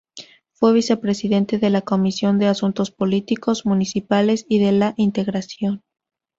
Fue Vicepresidente de la Comisión de Asuntos Políticos, Municipales y de la Integración.